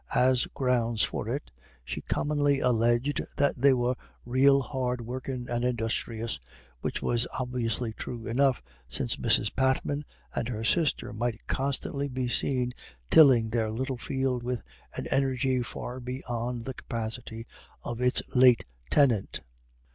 As grounds for it she commonly alleged that they were "rael hard workin' and industhrious," which was obviously true enough, since Mrs. Patman and her sister might constantly be seen tilling their little field with an energy far beyond the capacity of its late tenant.